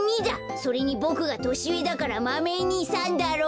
それにボクがとしうえだから「マメ２さん」だろ！